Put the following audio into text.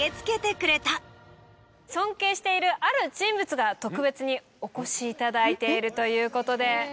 尊敬しているある人物が特別にお越しいただいているということで。